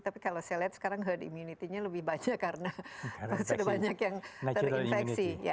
tapi kalau saya lihat sekarang herd immunity nya lebih banyak karena sudah banyak yang terinfeksi